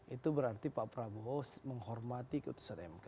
itu berarti pak prabowo menghormati keputusan mk